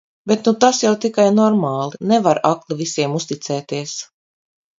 Bet nu tas jau tikai normāli, nevar akli visiem uzticēties.